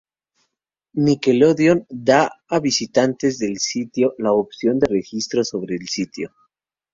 Nickelodeon da a visitantes del sitio la opción al registro sobre el sitio.